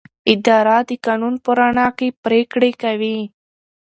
اداره د قانون په رڼا کې پریکړې کوي.